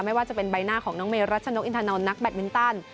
ไม่ว่าจะเป็นใบหน้าของน้องเมรัชนกอินทานนท์นักแบตมินตัน